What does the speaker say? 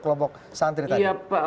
kelompok santri tadi